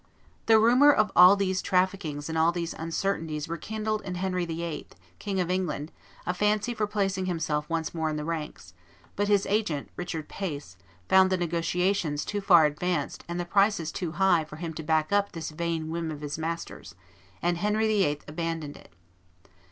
The rumor of all these traffickings and these uncertainties rekindled in Henry VIII., King of England, a fancy for placing himself once more in the ranks; but his agent, Richard Pace, found the negotiations too far advanced and the prices too high for him to back up this vain whim of his master's; and Henry VIII. abandoned it.